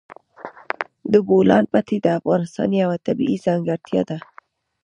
د بولان پټي د افغانستان یوه طبیعي ځانګړتیا ده.